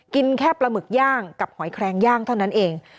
กินแค่ปลาหมึกย่างกับหอยแครงย่างเท่านั้นเอง